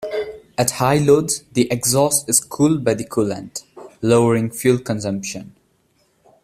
At high loads, the exhaust is cooled by the coolant, lowering fuel consumption.